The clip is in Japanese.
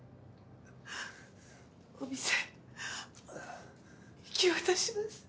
お店引き渡します。